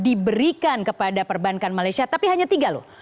diberikan kepada perbankan malaysia tapi hanya tiga loh